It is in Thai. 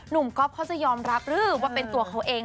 ก๊อฟเขาจะยอมรับหรือว่าเป็นตัวเขาเอง